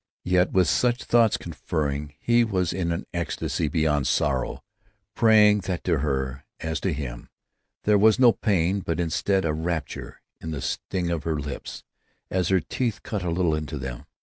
Yet, with such thoughts conferring, he was in an ecstasy beyond sorrow; praying that to her, as to him, there was no pain but instead a rapture in the sting of her lips, as her teeth cut a little into them....